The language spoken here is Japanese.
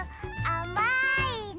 あまいの？